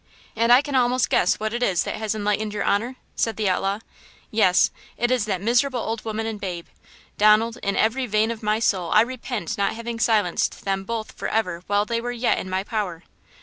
"And I can almost guess what it is that has enlightened your honor?" said the outlaw. "Yes, it is that miserable old woman and babe! Donald, in every vein of my soul I repent not having silenced them both forever while they were yet in my power!"